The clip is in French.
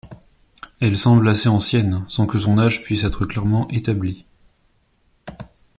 Elle semble assez ancienne, sans que son âge puisse être clairement établi.